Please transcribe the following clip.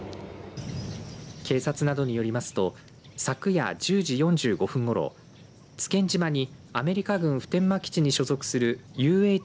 警察などによりますと昨夜１０時４５分ごろ津堅島にアメリカ軍普天間基地に所属するＵＨ